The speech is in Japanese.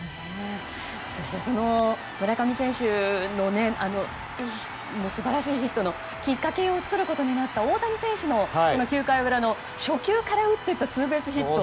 そして、村上選手の素晴らしいヒットのきっかけを作ることになった大谷選手の９回裏の初球から打っていったツーベースヒット。